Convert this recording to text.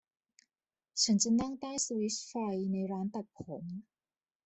ฉันจะนั่งใต้สวิตช์ไฟในร้านตัดผม